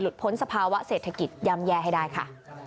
พ้นสภาวะเศรษฐกิจย่ำแย่ให้ได้ค่ะ